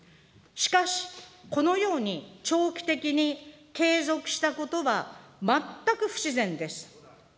しかし、このように長期的に継続したことは全く不自然です。